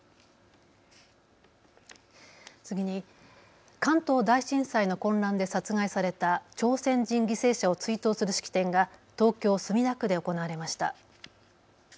次に関東大震災の混乱で殺害された朝鮮人犠牲者を追悼する式典が東京墨田区で行われました。